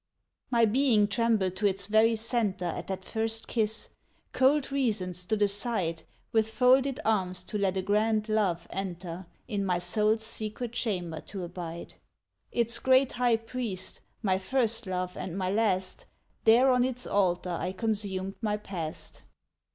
My being trembled to its very center At that first kiss. Cold Reason stood aside With folded arms to let a grand Love enter In my Soul's secret chamber to abide. Its great High Priest, my first love and my last, There on its altar I consumed my past.